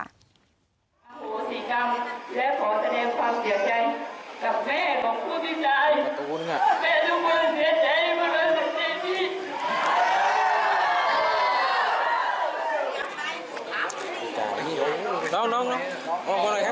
โหสีกรรมและขอแสดงความเสียใจ